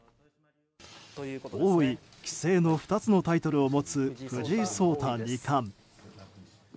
王位、棋聖の２つのタイトルを持つ藤井聡太二冠。